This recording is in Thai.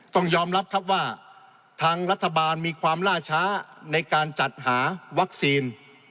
ต้องยอมรับครับว่าทางรัฐบาลมีความล่าช้าในการจัดหาวัคซีน